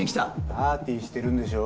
パーティーしてるんでしょ？